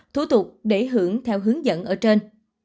thủ tục để hưởng theo hướng dẫn ở trên